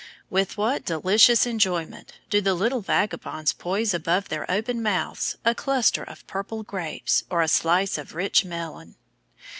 With what delicious enjoyment do the little vagabonds poise above their open mouths a cluster of purple grapes or a slice of rich melon!